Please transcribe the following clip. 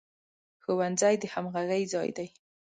ښوونځی د همغږۍ ځای دی